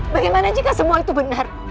bagaimana jika semua itu benar